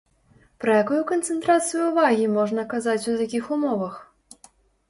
Пра якую канцэнтрацыю ўвагі можна казаць у такіх умовах?